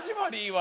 は